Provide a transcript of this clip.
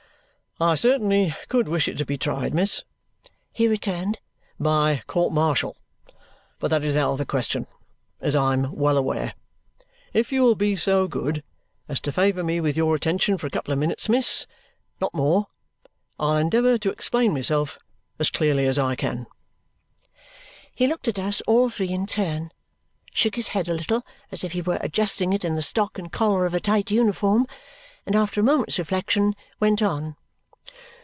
"I certainly could wish it to be tried, miss," he returned, "by court martial; but that is out of the question, as I am well aware. If you will be so good as to favour me with your attention for a couple of minutes, miss, not more, I'll endeavour to explain myself as clearly as I can." He looked at us all three in turn, shook his head a little as if he were adjusting it in the stock and collar of a tight uniform, and after a moment's reflection went on.